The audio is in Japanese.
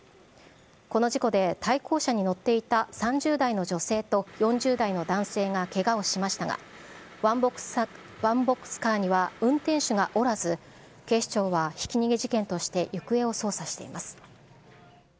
この事故で対向車に乗っていた３０代の女性と４０代の男性がけがをしましたが、ワンボックスカーには運転手がおらず、警視庁はひき逃げ事件として行方を捜査しています。